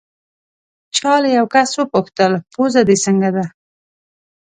چا له یو کس وپوښتل: پوزه دې څنګه ده؟